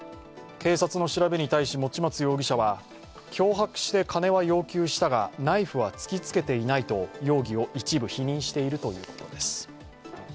警察の調べに対し用松容疑者は脅迫して金は要求したがナイフは突きつけていないと容疑を一部否認しているということです。